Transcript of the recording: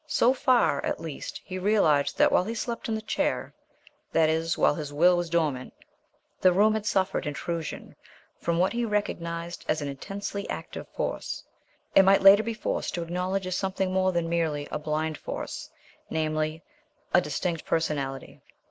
So far, at least, he realized that while he slept in the chair that is, while his will was dormant the room had suffered intrusion from what he recognized as an intensely active Force, and might later be forced to acknowledge as something more than merely a blind force, namely, a distinct personality.